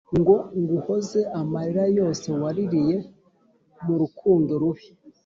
ngo nguhoze amarira yose waririye murukundo rubi